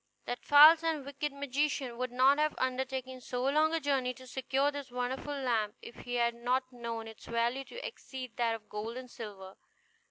That false and wicked magician would not have undertaken so long a journey to secure this wonderful lamp if he had not known its value to exceed that of gold and silver.